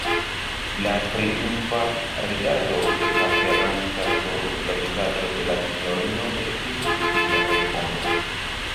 La triumfa rigardo ekaperanta sur la vizaĝo de la sinjorino estis sufiĉa respondo.